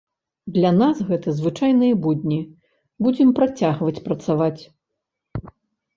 Для нас гэта звычайныя будні, будзем працягваць працаваць.